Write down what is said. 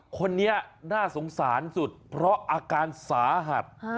คนนี้น่าสงสารสุดเพราะอาการสาหัส